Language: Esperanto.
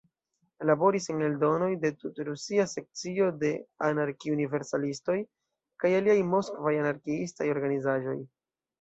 Laboris en eldonoj de "Tut-Rusia sekcio de anarki-universalistoj" kaj aliaj moskvaj anarkiistaj organizaĵoj.